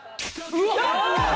「うわっ」